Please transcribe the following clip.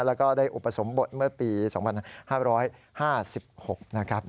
แล้วก็ได้อุปสมบทเมื่อปี๒๕๕๖นะครับ